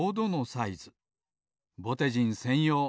ぼてじんせんよう。